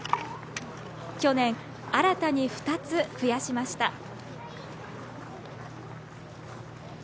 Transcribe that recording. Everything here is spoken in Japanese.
去年、新たに２つ増やしました。